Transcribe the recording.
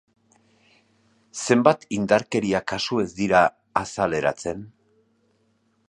Zenbat indarkeria kasu ez dira azaleratzen?